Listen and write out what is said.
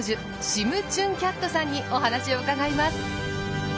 シムチュン・キャットさんにお話を伺います。